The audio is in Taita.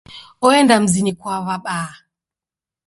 Oenda mzinyi kwa w'abaa.